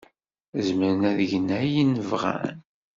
Zemren ad gen ayen bɣan.